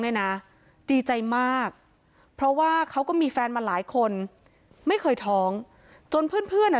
เนี่ยน่ะดีใจมากเพราะว่าเขาก็มีแฟนมาหลายคนไม่เคยท้องจนเพื่อน